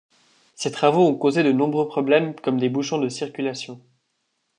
Ces travaux ont causé de nombreux problèmes comme des bouchons de circulation.